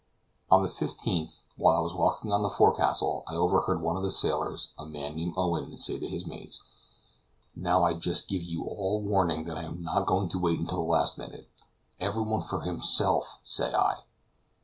On the 15th, while I was walking on the forecastle, I overheard one of the sailors, a man named Owen, say to his mates: "Now I just give you all warning that I am not going to wait until the last minute. Everyone for himself, say I."